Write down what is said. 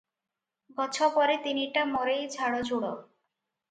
ଗଛ ପରି ତିନିଟା ମରେଇ ଝାଡ଼ଝୁଡ଼ ।